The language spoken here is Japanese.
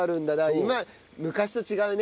今昔と違うね。